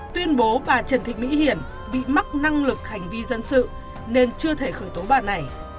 tuyên bố bà trần thị mỹ hiển bị mắc năng lực hành vi dân sự nên chưa thể khởi tố bà này